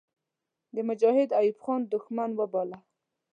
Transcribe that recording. د مجاهد ایوب خان دښمن وباله.